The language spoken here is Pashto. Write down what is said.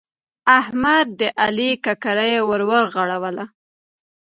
احمد د علي ککرۍ ور ورغړوله.